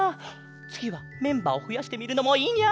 つぎはメンバーをふやしてみるのもいいニャ。